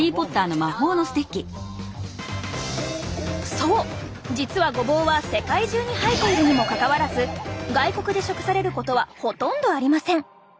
そう実はごぼうは世界中に生えているにもかかわらず外国で食されることはほとんどありません。